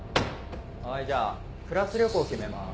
はいじゃあクラス旅行決めます。